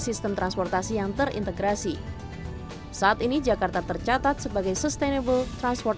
sistem transportasi yang terintegrasi saat ini jakarta tercatat sebagai sustainable transport